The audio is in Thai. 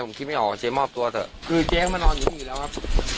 ผมคิดไม่ออกเจ๊มอบตัวเถอะคือเจ๊มานอนอยู่ที่นี่อยู่แล้วครับ